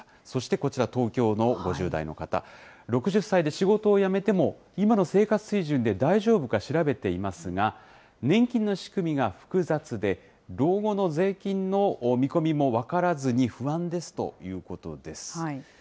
そしてこちら、東京の５０代の方、６０歳で仕事を辞めても今の生活水準で大丈夫か調べていますが、年金の仕組みが複雑で、老後の税金の見込みも分からずに不安ですということです。